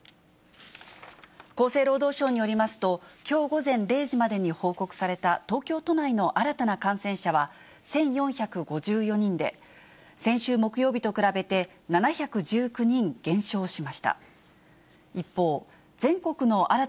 厚生労働省によりますと、きょう午前０時までに報告された東京都内の新たな感染者は１４５４人で、先週木曜日と比べて、７１９人減少しました。